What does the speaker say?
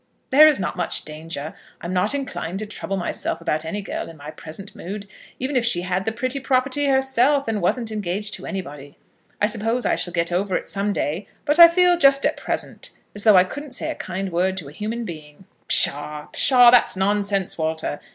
"There is not much danger. I am not inclined to trouble myself about any girl in my present mood, even if she had the pretty property herself, and wasn't engaged to anybody. I suppose I shall get over it some day, but I feel just at present as though I couldn't say a kind word to a human being." "Psha! psha! that's nonsense, Walter.